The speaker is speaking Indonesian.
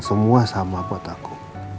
semua sama buat aku